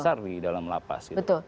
besar di dalam lapas gitu